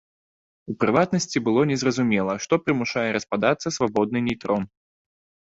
У прыватнасці, было незразумела, што прымушае распадацца свабодны нейтрон.